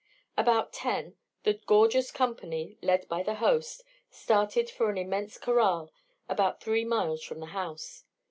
About ten the gorgeous company, led by the host, started for an immense corral about three miles from the house.